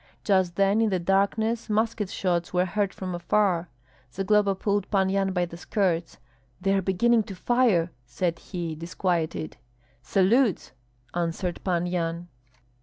Just then in the darkness musket shots were heard from afar. Zagloba pulled Pan Yan by the skirts. "They are beginning to fire!" said he, disquieted. "Salutes!" answered Pan Yan.